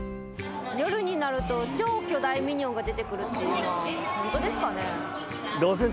「夜になると超巨大ミニオンが出てくるっていうのはホントですかね？」